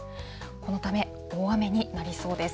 このため、大雨になりそうです。